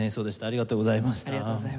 ありがとうございます。